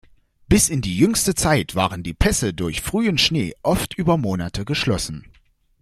Bis in jüngste Zeit waren die Pässe durch frühen Schnee oft über Monate geschlossen.